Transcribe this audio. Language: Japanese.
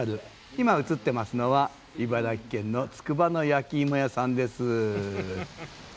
今映ってますのは茨城県のつくばの焼きいも屋さんです。